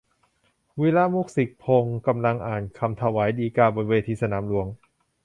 วีระ มุกสิกพงษ์ กำลังอ่านคำถวายฎีกา บนเวทีสนามหลวง